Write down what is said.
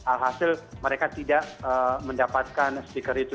hal hasil mereka tidak mendapatkan stiker itu